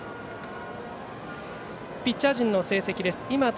ピッチャー陣の成績です。